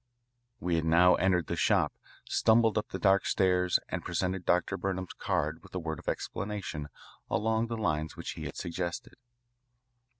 We had now entered the shop, stumbled up the dark stairs, and presented Dr. Burnham's card with a word of explanation along the lines which he had suggested.